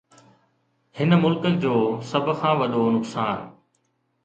هن ملڪ جو سڀ کان وڏو نقصان